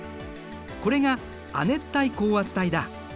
これが亜熱帯高圧帯だ。